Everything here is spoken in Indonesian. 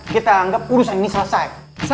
kita anggap urusan ini selesai